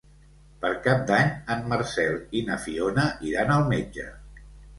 Per Cap d'Any en Marcel i na Fiona iran al metge.